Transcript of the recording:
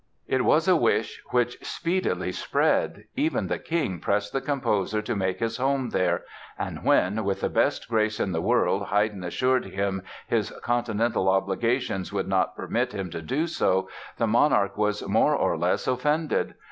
It was a wish which speedily spread. Even the King pressed the composer to make his home there and when, with the best grace in the world Haydn assured him his Continental obligations would not permit him to do so, the monarch was more or less offended.